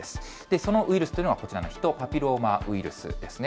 そのウイルスというのが、こちらのヒトパピローマウイルスですね。